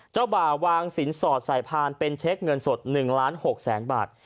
บ่าวางสินสอดสายพานเป็นเช็คเงินสด๑ล้าน๖แสนบาท